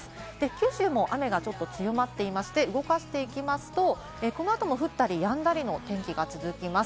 九州も雨が強まっていまして、動かしていきますと、この後も降ったりやんだりの天気が続いています。